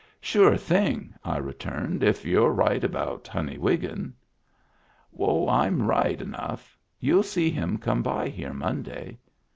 "Sure thing 1" I returned, "if you're right about Honey Wiggin." " Oh, I'm right enough. You'll see him come by here Monday."